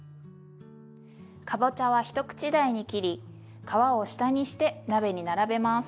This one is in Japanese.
かぼちゃは一口大に切り皮を下にして鍋に並べます。